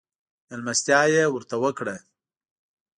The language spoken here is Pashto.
مېلمستيا يې ورته وکړه.